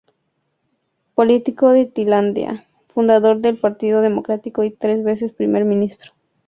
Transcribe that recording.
Político de Tailandia, fundador del Partido Demócrata y tres veces Primer Ministro.